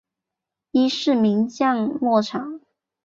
伊是名降落场。